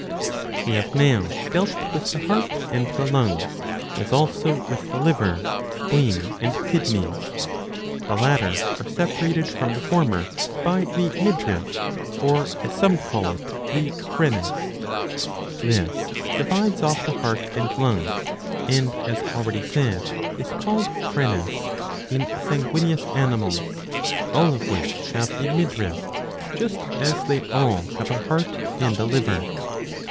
We have now dealt with the heart and the lung, 672b. # iii. 10. ^ 83 as also with the liver, spleen, and kidneys. The latter are "separated from the former by the midriff or, as some call it, the Phrenes. This divides off the heart and lung, and as already said ^is called Phrenes in sanguineous animals, alP of which have a midriff, just as they all have a heart and a liver.